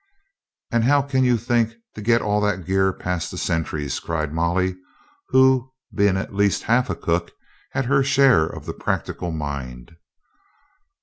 "And how can you think to get all that gear past the sentries?" cried Molly, who, being at least half a cook, had her share of the practical mind.